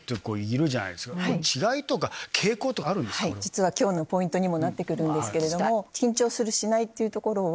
実は今日のポイントにもなってくるんですけれども緊張するしないっていうところは。